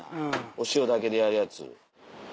お塩だけでやるやつ。